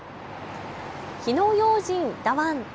火の用心だワン。